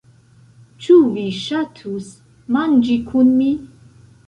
Ĉu vi ŝatus manĝi kun mi?